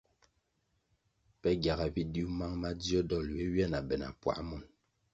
Pe gyaga bidiu mang madzio dolʼ ywe ywia na be na puā monʼ.